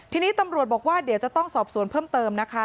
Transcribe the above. ทีนี้ตำรวจบอกว่าเดี๋ยวจะต้องสอบสวนเพิ่มเติมนะคะ